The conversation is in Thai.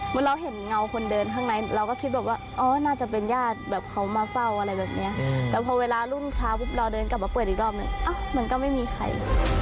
เราเห็นเงาคนเดินข้างในเราก็คิดแบบว่าอ๋อน่าจะเป็นญาติแบบเขามาเฝ้าอะไรแบบนี้แต่พอเวลารุ่งเช้าปุ๊บเราเดินกลับมาเปิดอีกรอบนึงมันก็ไม่มีใคร